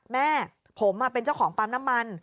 แม่ผมเป็นเจ้าของปั๊มน้ำมัน